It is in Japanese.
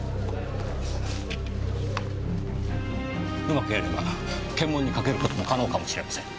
うまくやれば検問にかける事も可能かもしれません。